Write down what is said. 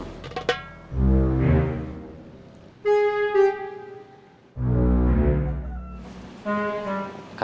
ujang di bawah serena